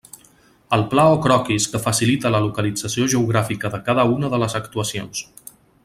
El pla o croquis, que facilite la localització geogràfica de cada una de les actuacions.